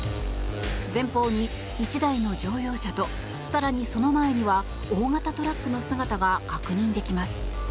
前方に１台の乗用車と更に、その前には大型トラックの姿が確認できます。